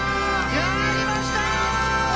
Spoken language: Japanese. やりました！